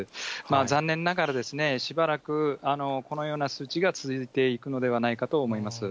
残念ながら、しばらくこのような数値が続いていくのではないかと思います。